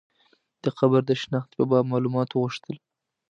د قبر د شنختې په باب معلومات وغوښتل.